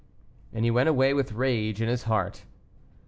And he went away with rage in his heart.